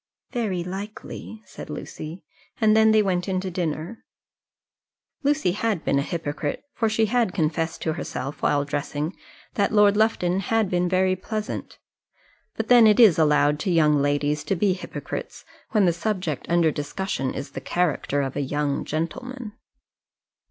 "Very likely," said Lucy; and then they went in to dinner. Lucy had been a hypocrite, for she had confessed to herself, while dressing, that Lord Lufton had been very pleasant; but then it is allowed to young ladies to be hypocrites when the subject under discussion is the character of a young gentleman.